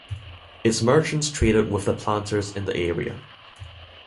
Its merchants traded with the planters in the area.